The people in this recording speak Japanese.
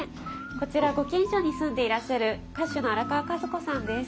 こちらご近所に住んでいらっしゃる歌手の荒川和子さんです。